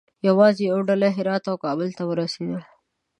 یوازې یوه ډله هرات او کابل ته ورسېدل.